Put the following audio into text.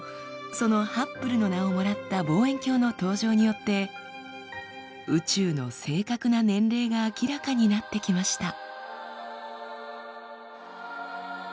そのハッブルの名をもらった望遠鏡の登場によって宇宙の正確な年齢が明らかになってきました。